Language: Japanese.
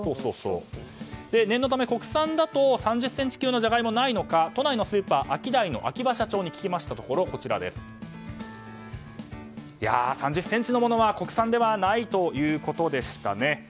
念のため、国産だと３０ｃｍ級のものはないのか都内のスーパー、アキダイの秋葉社長に聞きましたところ３０ｃｍのものは国産ではないということでしたね。